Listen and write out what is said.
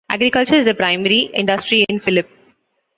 Agriculture is the primary industry in Philip.